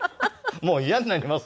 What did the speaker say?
もう嫌になります。